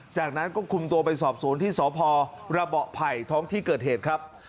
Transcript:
จากนั้นก็คุมตัวไปสอบสวนที่สพระเบาะไผ่ท้องที่เกิดเหตุครับ